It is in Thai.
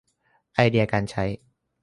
ไอเดียการใช้